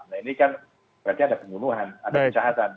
nah ini kan berarti ada pembunuhan ada kejahatan